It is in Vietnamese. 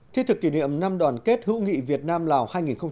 thiết thực kỷ niệm năm đoàn kết hữu nghị việt nam lào hai nghìn bảy mươi bảy